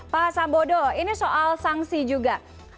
pak sambodo ini soal sanksi juga